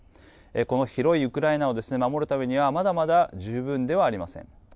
この広いウクライナを守るためにはまだまだ十分ではありません。